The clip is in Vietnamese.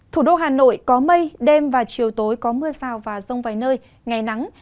thủ đô hà nội có mây đêm và chiều tối có mưa rào và rông vài nơi ngày nắng